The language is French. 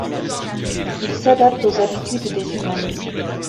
Ils s’adaptent aux habitudes des humains.